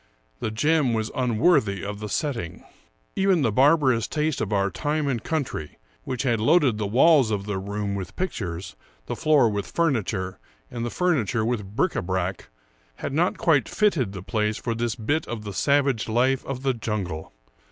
The gem was unworthy of the setting. Even the barbarous taste of our time and country, which had loaded the walls of the room with pictures, the floor with furniture, and the furniture with bric a brac, had not quite fitted the place for this bit of the savage life of the jungle.